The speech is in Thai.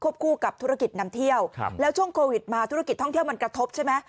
คู่กับธุรกิจนำเที่ยวแล้วช่วงโควิดมาธุรกิจท่องเที่ยวมันกระทบใช่ไหม